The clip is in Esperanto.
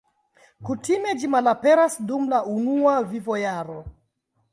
Kutime ĝi malaperas dum la unua vivojaro.